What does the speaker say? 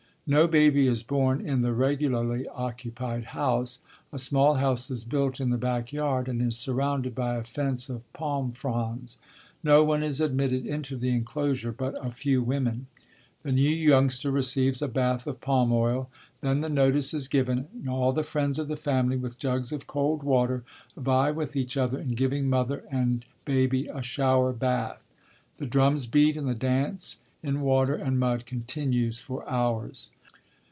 No baby is born in the regularly occupied house. A small house is built in the back yard and is surrounded by a fence of palm fronds. No one is admitted into the enclosure but a few women. The new youngster receives a bath of palm oil, then the notice is given and all the friends of the family with jugs of cold water vie with each other in giving mother and baby a shower bath. The drums beat and the dance in water and mud continues for hours.